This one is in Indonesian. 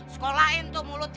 sekolahin tuh mulutnya